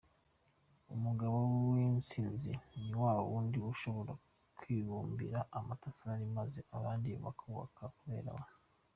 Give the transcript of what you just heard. Umuagabo w’Intsinzi ni wa wundi ushobora kwibumbira amatafari maze abandi bakubaka kubera we”.